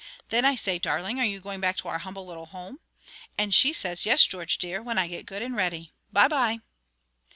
Then I say: 'Darling, are you going back to our humble little home?' and she says: 'Yes, George, dear, when I get good and ready bye bye!'"